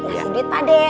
ngasih duit pak de